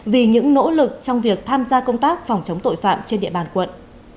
vì những nỗ lực trong việc tham gia công tác phòng chống tội phạm trên địa bàn quận